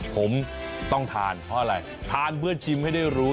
ผมต้องทานเพราะอะไรทานเพื่อชิมให้ได้รู้